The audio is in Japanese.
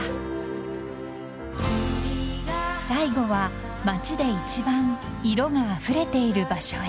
［最後は街で一番色があふれている場所へ］